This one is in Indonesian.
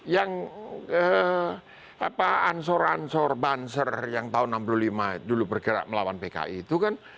yang ansor ansor banser yang tahun enam puluh lima dulu bergerak melawan pki itu kan